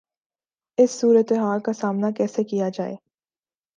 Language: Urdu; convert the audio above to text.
اس صورتحال کا سامنا کیسے کیا جائے؟